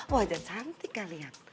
wajah cantik kalian